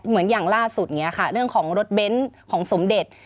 อย่างล่าสุดเนี่ยค่ะเรื่องของรถเบนท์ของสมเด็จ